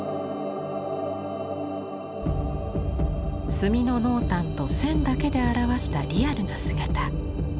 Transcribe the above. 墨の濃淡と線だけで表したリアルな姿。